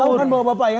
tahu kan bapak bapak ya